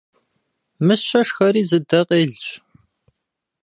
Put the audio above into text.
Мыщэ шхэри зы дэ къелщ.